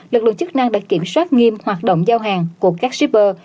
lực lượng chức năng đã kiểm soát nghiêm hoạt động giao hàng của các shipper